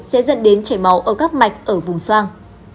sẽ dẫn đến chảy máu ở các mạch ở vùng xoang